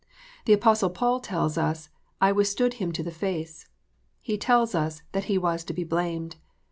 The Apostle Paul tells us, " I withstood him to the face." He tells us "that he was to be blamed."